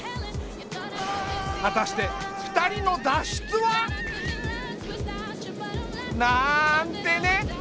果たして２人の脱出は？なんてね。